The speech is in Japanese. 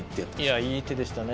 いやいい手でしたね。